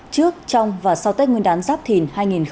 trước trong và sau tết nguyên đán giáp thìn hai nghìn hai mươi bốn